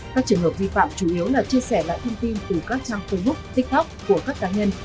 các trường hợp vi phạm chủ yếu là chia sẻ lại thông tin từ các trang facebook tiktok của các cá nhân